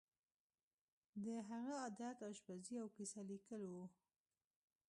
د هغه عادت آشپزي او کیسه لیکل وو